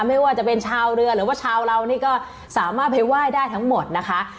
ไม่ว่าจะเป็นชาวเรือหรือว่าชาวเรานี่ก็สามารถไปไหว้ได้ทั้งหมดนะคะ